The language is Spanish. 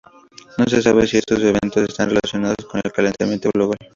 No se sabe si estos eventos están relacionados con el calentamiento global.